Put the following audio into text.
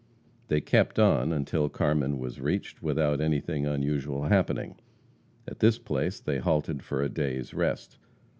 They kept on until Carmen was reached, without anything unusual happening. At this place they halted for a day's rest.